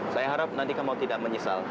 saya harap nanti kamu tidak menyesal